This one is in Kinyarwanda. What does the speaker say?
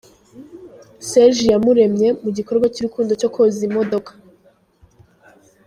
Serge Iyamuremye mu gikorwa cy'urukundo cyo koza imodoka.